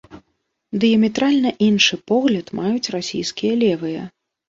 Дыяметральна іншы погляд маюць расійскія левыя.